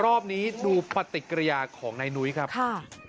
รอบนี้ดูปฏิกิริยาของนายนุ้ยครับค่ะ